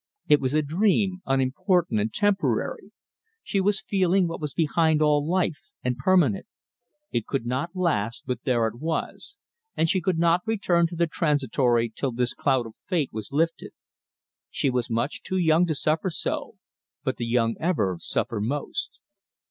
It was a dream, unimportant and temporary. She was feeling what was behind all life, and permanent. It could not last, but there it was; and she could not return to the transitory till this cloud of fate was lifted. She was much too young to suffer so, but the young ever suffer most.